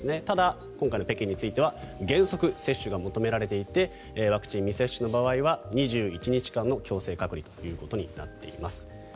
ただ、今回の北京については原則、接種が求められていてワクチン未接種の場合は２１日間の強制隔離となっています。